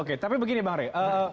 oke tapi begini bang rey